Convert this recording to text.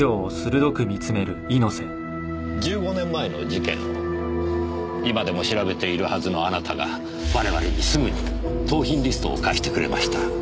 １５年前の事件を今でも調べているはずのあなたが我々にすぐに盗品リストを貸してくれました。